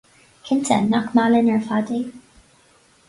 Cinnte, nach maith linn ar fad é?